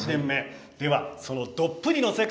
その、どっぷりの世界